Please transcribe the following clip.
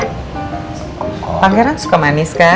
taneg eran gimana abu articlesnya